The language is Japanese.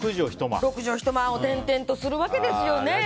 ６畳１間を転々とするわけですよね